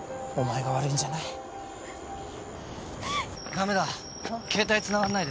駄目だ携帯つながんないです。